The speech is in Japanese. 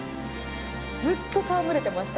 ずっとたわむれてました。